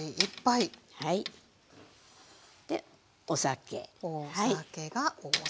でお酒。